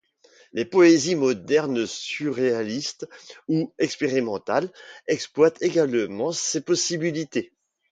Les poésies modernes, surréalistes ou expérimentales, exploitent également ses possibilités.